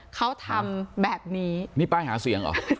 เขาทำแบบนี้นี่ป้ายหาเสียงเหรอ